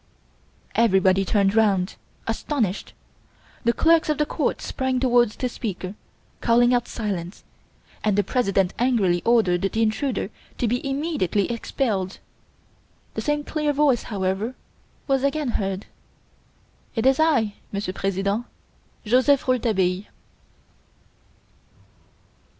Everybody turned round, astonished. The clerks of the court sprang towards the speaker, calling out silence, and the President angrily ordered the intruder to be immediately expelled. The same clear voice, however, was again heard: "It is I, Monsieur President Joseph Rouletabille!"